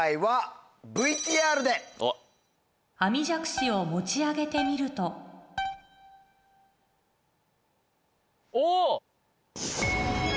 あみじゃくしを持ち上げてみるとおぉ！